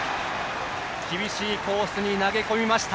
厳しいコースに投げ込みました。